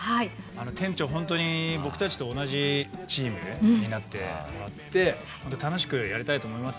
店長ホントに僕たちと同じチームになってもらって楽しくやりたいと思います。